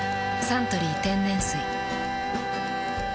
「サントリー天然水」